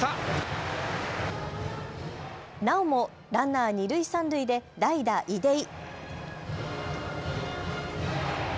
なおもランナー二塁三塁で代打・出井。